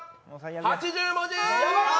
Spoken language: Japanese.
８０文字！